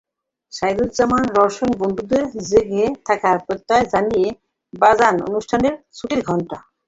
সাইদুজ্জামান রওশন বন্ধুদের জেগে থাকার প্রত্যয় জানিয়ে বাজান অনুষ্ঠানের ছুটির ঘণ্টা।